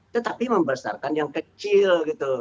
tetapi membesarkan yang kecil